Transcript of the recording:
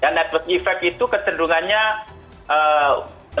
network effect itu kecenderungannya